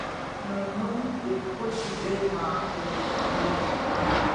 Nonnon ɓe potti bee maako ɓe mbari mo.